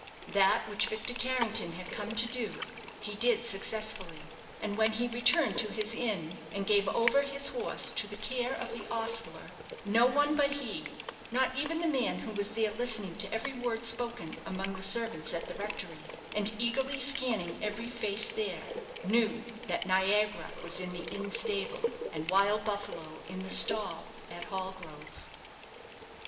That which Victor Carrington had come to do, he did successfully; and when he returned to his inn, and gave over his horse to the care of the ostler, no one but he, not even the man who was there listening to every word spoken among the servants at the rectory, and eagerly scanning every face there, knew that "Niagara" was in the inn stable, and "Wild Buffalo" in the stall at Hallgrove.